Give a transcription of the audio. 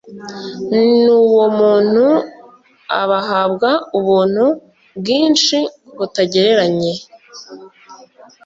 n uwo muntu abahabwa ubuntu bwinshi butagereranye